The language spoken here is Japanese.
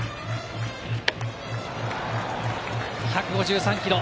１５３キロ。